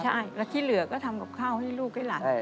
ใช่แล้วที่เหลือก็ทำกับข้าวให้ลูกให้หลาน